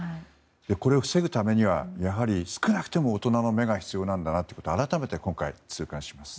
これを防ぐためには、やはり少なくとも大人の目が必要なんだなということを改めて今回、痛感します。